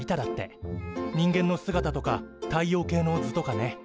人間の姿とか太陽系の図とかね。